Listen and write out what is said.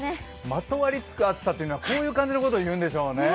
まとわりつく暑さというのはこういうことを言うんでしょうね。